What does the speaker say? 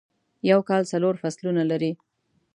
یو کال څلور فصلونه لري.